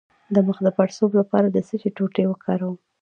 د مخ د پړسوب لپاره د څه شي ټوټې وکاروم؟